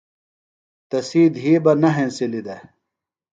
تسی دِھی بہ نہ ہینسِلیۡ دےۡ۔